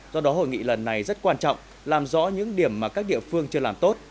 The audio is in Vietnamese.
do đó hội nghị lần này rất quan trọng làm rõ những điểm mà các địa phương chưa làm tốt